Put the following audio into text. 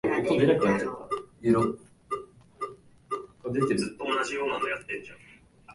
山を作るために穴を掘った、穴を掘るために山を作った